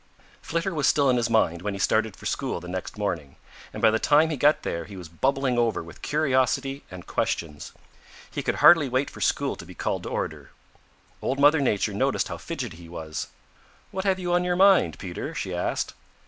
Flitter was still in his mind when he started for school the next morning, and by the time he got there he was bubbling over with curiosity and questions. He could hardly wait for school to be called to order. Old Mother Nature noticed how fidgety he was. "What have you on your mind, Peter?" she asked.